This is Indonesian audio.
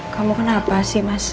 kamu kenapa sih mas